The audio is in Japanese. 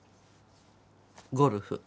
ゴルフ。